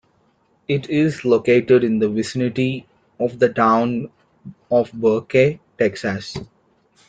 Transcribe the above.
It is located in the vicinity of the town of Burke, Texas.